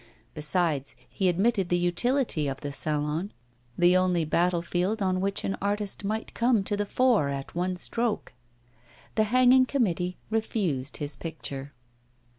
Besides, he admitted the utility of the Salon, the only battlefield on which an artist might come to the fore at one stroke. The hanging committee refused his picture.